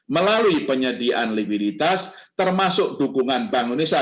melalui penyediaan likuiditas termasuk dukungan bank indonesia